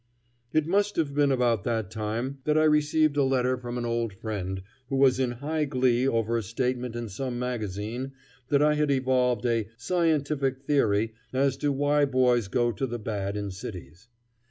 It must have been about that time that I received a letter from an old friend who was in high glee over a statement in some magazine that I had evolved a "scientific theory" as to why boys go to the bad in cities.